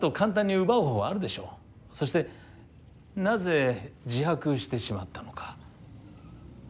そしてなぜ自白してしまったのか。